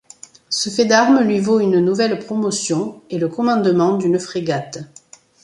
Ce fait d'armes lui vaut une nouvelle promotion, et le commandement d'une frégate.